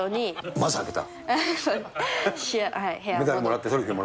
まず開けた？